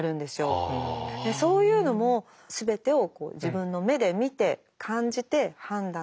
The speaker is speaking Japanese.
そういうのも全てを自分の目で見て感じて判断して選んで頂きたいですね。